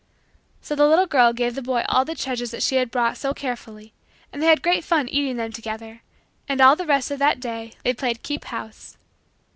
So the little girl gave the boy all the treasures that she had brought so carefully and they had great fun eating them together; and all the rest of that day they played "keephouse."